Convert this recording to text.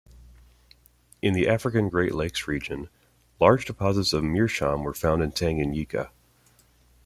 In the African Great Lakes region, large deposits of meerschaum were found in Tanganyika.